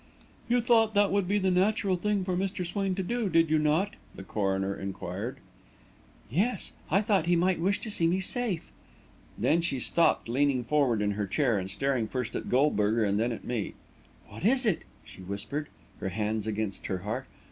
"You thought that would be the natural thing for Mr. Swain to do, did you not?" the coroner inquired. "Yes I thought he might wish to see me safe." Then she stopped, leaning forward in her chair and staring first at Goldberger and then at me. "What is it?" she whispered, her hands against her heart.